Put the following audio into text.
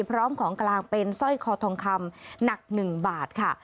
พร้อมของกลางเป็นสร้อยคอทองคำหนัก๑บาทค่ะ